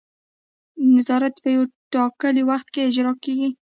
نظارت په یو ټاکلي وخت کې اجرا کیږي.